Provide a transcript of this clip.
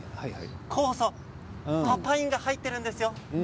酵素パパインが入っているんですよ。